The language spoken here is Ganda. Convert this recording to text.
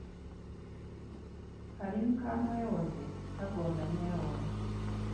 Kalimi ka mwewoze, kagonda meewola.